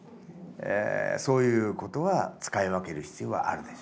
そういうことは使い分ける必要はあるでしょうね。